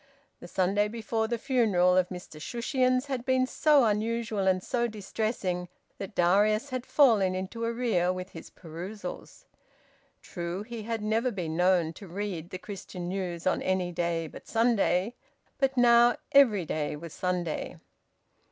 The Sunday before the funeral of Mr Shushions had been so unusual and so distressing that Darius had fallen into arrear with his perusals. True, he had never been known to read "The Christian News" on any day but Sunday, but now every day was Sunday.